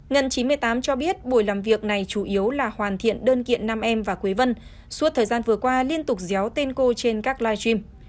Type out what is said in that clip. ngân chín mươi tám cho biết buổi làm việc này chủ yếu là hoàn thiện đơn kiện nam em và quế vân suốt thời gian vừa qua liên tục déo tên cô trên các live stream